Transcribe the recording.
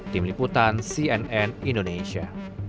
tim liputan cnn indonesia